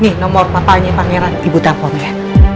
nah nih nomor papanya pangeran ibu tamponnya